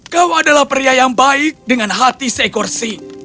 kau adalah pria yang baik dengan hati seekor si